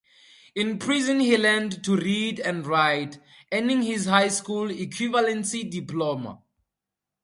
In prison he learned to read and write, earning his high school equivalency diploma.